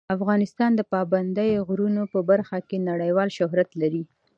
افغانستان د پابندی غرونه په برخه کې نړیوال شهرت لري.